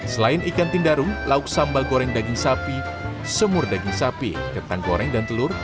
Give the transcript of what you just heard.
selain ikan tindarung lauk sambal goreng daging sapi semur daging sapi kentang goreng dan telur